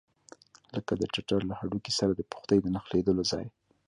لکه د ټټر له هډوکي سره د پښتۍ د نښلېدلو ځای.